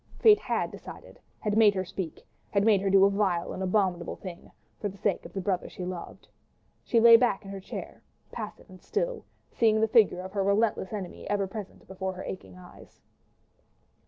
Fate had decided, had made her speak, had made her do a vile and abominable thing, for the sake of the brother she loved. She lay back in her chair, passive and still, seeing the figure of her relentless enemy ever present before her aching eyes.